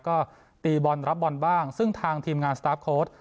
ก็ตีบอลรับบอลบ้างซึ่งทางทีมงานสตาร์ฟโค้ด